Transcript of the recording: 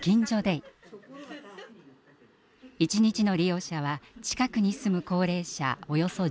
一日の利用者は近くに住む高齢者およそ１０人です。